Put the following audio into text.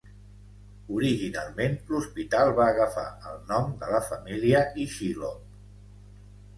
Originalment, l'hospital va agafar el nom de la família Ichilov.